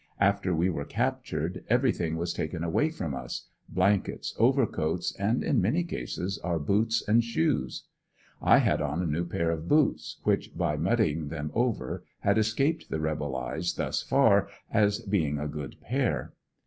After we were captured everything was taken away from us, blankets, overcoats, and in many cases our boots and shoes. I had on a new pair of boots, which by mud dying them over had escaped the rebel eyes thus far, as being a good pair.